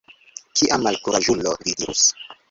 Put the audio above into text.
Kia malkuraĝulo, vi dirus.